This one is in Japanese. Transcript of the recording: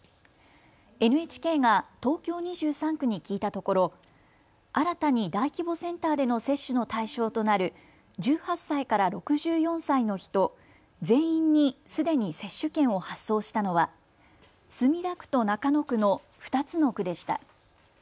ＮＨＫが東京２３区に聞いたところ新たに大規模センターでの接種の対象となる１８歳から６４歳の人全員にすでに接種券を発送したのは墨田区と中野区の２つの区でした。